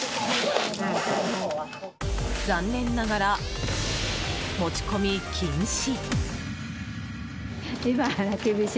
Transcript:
残念ながら持ち込み禁止。